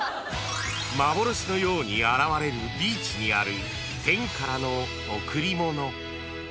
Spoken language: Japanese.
［幻のように現れるビーチにある天からの贈り物］